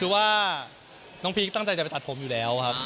คือว่าน้องพีคตั้งใจจะไปตัดผมอยู่แล้วครับ